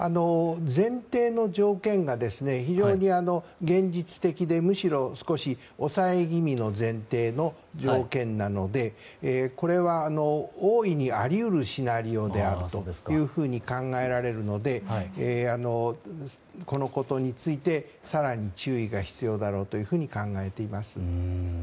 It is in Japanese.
前提の条件が非常に現実的でむしろ少し抑え気味の前提の条件なのでこれは大いにあり得るシナリオであるというふうに考えられるのでこのことについて更に、注意が必要だろうと考えています。